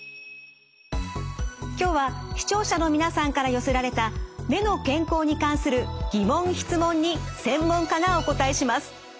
今日は視聴者の皆さんから寄せられた目の健康に関する疑問質問に専門家がお答えします。